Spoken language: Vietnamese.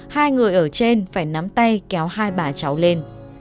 hai người ở trên phải nắm tay kéo hai bà cháu lên